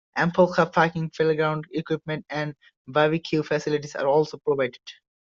Ample car parking, playground equipment and barbecue facilities are also provided.